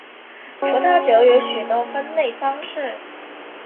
葡萄酒有许多分类方式。